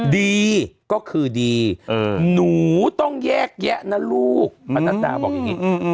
ดีก็คือดีเออหนูต้องแยกแยะนะลูกมันนาตาบอกอย่างงี้อืมอืม